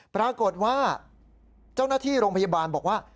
ปรากฏว่าเจ้าหน้าที่โรงพยาบาลบอกว่า